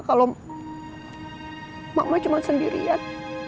kalau mama cuma sendirian